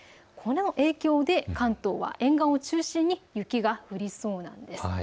この影響で関東は沿岸を中心に雪が降りそうなんです。